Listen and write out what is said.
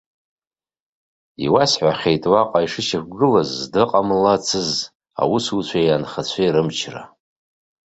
Иуасҳәахьеит уаҟа ишышьақәгылаз здаҟамлацыз аусуцәеи анхацәеи рымчра.